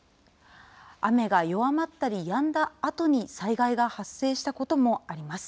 雨が弱まったりやんだあとに災害が発生したこともあります。